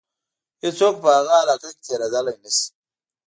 هیڅوک په هغه علاقه کې تېرېدلای نه شي.